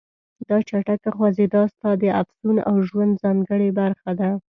دا چټکه خوځېدا ستا د افسون او ژوند ځانګړې برخه ده.